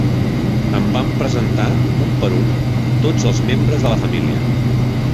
Em van presentar, un per un, tots els membres de la família.